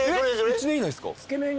１年以内ですか？